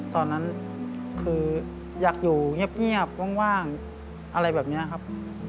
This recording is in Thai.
ตอนนั้นคืออยากอยู่เงียบว่างอะไรแบบนี้ครับ